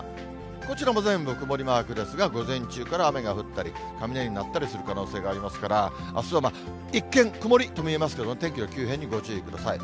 こちらも全部曇りマークですが、午前中から雨が降ったり、雷が鳴ったりする可能性がありますから、あすは一見、曇りと見えますけれども、天気の急変にご注意ください。